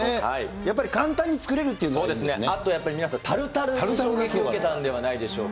やっぱり簡単に作れるっていあとやっぱり、タルタルに衝撃を受けたんじゃないでしょうか。